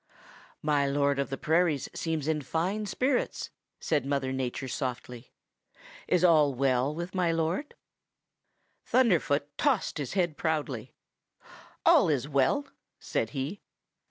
"'My Lord of the Prairies seems in fine spirits,' said Mother Nature softly. 'Is all well with my Lord?' "Thunderfoot tossed his head proudly. 'All is well,' said he.